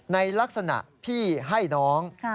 ในลักษณะพี่ให้น้อง